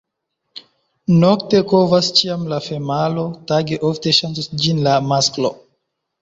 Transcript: Nokte kovas ĉiam la femalo, tage ofte ŝanĝas ĝin la masklo.